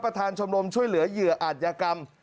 ประชาชนชมรมช่วยเหลือยื่ออ่านยกรรม